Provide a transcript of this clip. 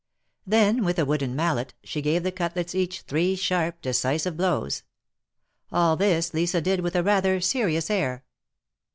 Then, with a wooden mallet, she gave the cutlets each, three sharp, decisive blows. All this Lisa did with rather a serious air.